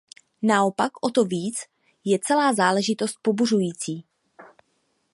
Naopak, o to víc je celá záležitost pobuřující.